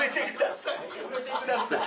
やめてください